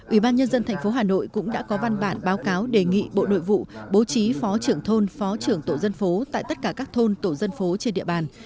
ủy ban nhân dân tp hà nội cũng đã có văn bản báo cáo đề nghị bộ nội vụ bố trí phó trưởng thôn phó trưởng tổ dân phố tại tất cả các thôn tổ dân phố trên địa bàn